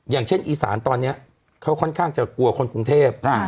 อย่างเช่นอีสานตอนนี้เขาค่อนข้างจะกลัวคนกรุงเทพ